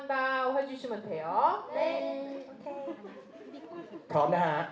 เดี๋ยวดูจะถามนะ